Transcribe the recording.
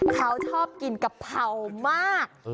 เขาชอบกินกะเพรามาก